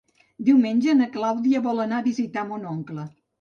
Diumenge na Clàudia vol anar a visitar mon oncle.